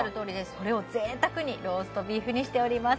それを贅沢にローストビーフにしております